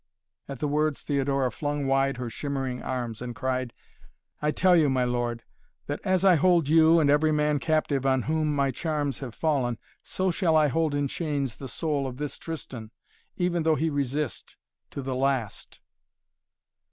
At the words Theodora flung wide her shimmering arms and cried: "I tell you, my lord, that as I hold you and every man captive on whom my charms have fallen, so shall I hold in chains the soul of this Tristan, even though he resist to the last."